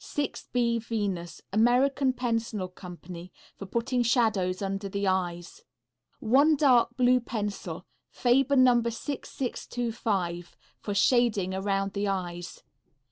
_ 6B Venus, American Pencil Co. For putting shadows under the eyes. One Dark Blue Pencil. Faber No. 6625. For shading around the eyes.